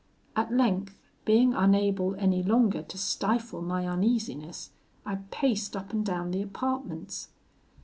At length, being unable any longer to stifle my uneasiness, I paced up and down the apartments.